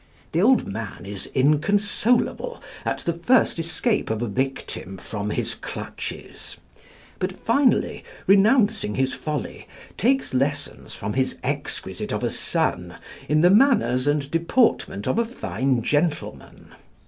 The old man is inconsolable at the first escape of a victim from his clutches; but finally, renouncing his folly, takes lessons from his exquisite of a son in the manners and deportment of a fine gentleman.